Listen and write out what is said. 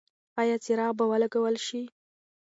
ایا څراغ به ولګول شي؟